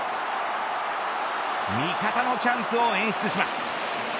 味方のチャンスを演出します。